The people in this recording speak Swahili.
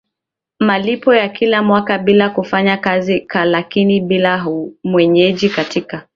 malipo ya kila mwaka bila kufanya kazi lakini bila mwenyeji katika